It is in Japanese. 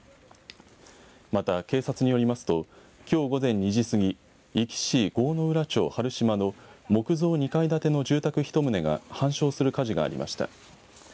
また、警察によりますときょう午前２時過ぎ壱岐市郷ノ浦町原島の木造２階建ての住宅１棟が半焼する火事がありました。